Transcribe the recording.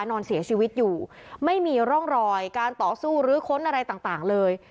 นอนเสียชีวิตอยู่ไม่มีร่องรอยการต่อสู้หรือค้นอะไรต่างเลย